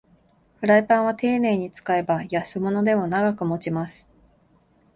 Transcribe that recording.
フライパンはていねいに使えば安物でも長く持ちます